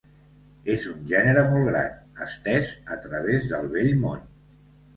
És un gènere molt gran, estès a través del Vell Món.